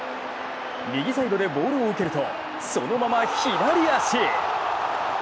右サイドでボールを受けると、そのまま左足。